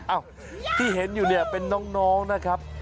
อ้าวที่เห็นอยู่เนี่ยเป็นน้องนะครับ